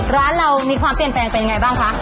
ร้านเรามีความเปลี่ยนแปลงเป็นยังไงบ้างคะ